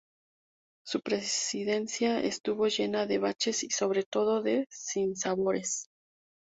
Su presidencia estuvo llena de baches y sobre todo, de sinsabores.